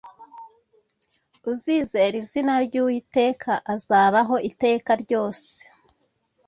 Uzizera izina ryuwiteka azabaho iteka ryose